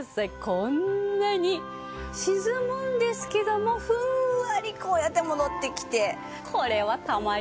こんなに沈むんですけどもふんわりこうやって戻ってきて。